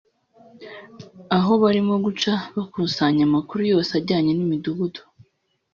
Aho barimo guca bakusanya amakuru yose ajyanye n’imidugudu